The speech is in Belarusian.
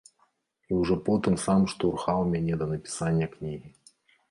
І ўжо потым сам штурхаў мяне да напісання кнігі.